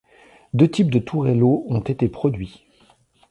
Deux types de tourelleau ont été produits.